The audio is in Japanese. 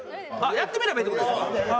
やってみればいいって事ですか？